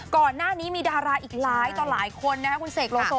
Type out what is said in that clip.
ก่อนหน้านี้มีดาราอีกหลายต่อหลายคนนะครับคุณเสกโลโซ